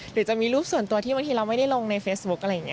หรือจะมีรูปส่วนตัวที่บางทีเราไม่ได้ลงในเฟซบุ๊คอะไรอย่างนี้